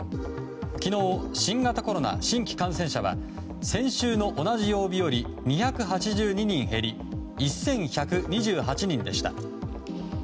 昨日、新型コロナ新規感染者は先週の同じ曜日より２８２人減り１１２８人でした。